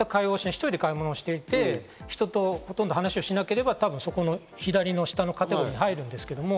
一人で買い物していて、ほとんど人と話をしなければ、左の下のカテゴリーに入るんですけど。